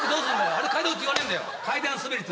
あれ階段落ち言わねえんだよ。